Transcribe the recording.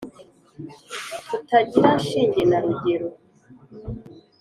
Tutagira shinge na rugero